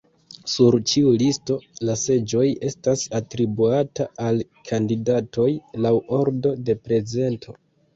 Sur ĉiu listo, la seĝoj estas atribuataj al kandidatoj laŭ ordo de prezento.